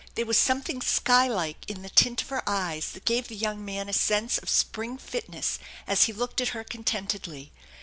There was something sky like in the tint of her eyes that gave the young man a sense of spring fitness as he looked at her contentedly.